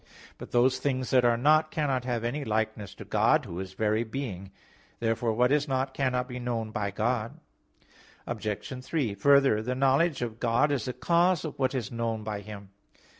But those things that are not cannot have any likeness to God, Who is very being. Therefore what is not, cannot be known by God. Obj. 3: Further, the knowledge of God is the cause of what is known by Him.